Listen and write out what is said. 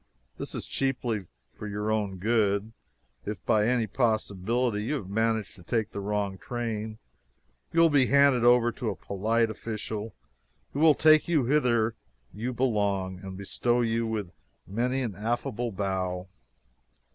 This is chiefly for your own good. If by any possibility you have managed to take the wrong train, you will be handed over to a polite official who will take you whither you belong and bestow you with many an affable bow.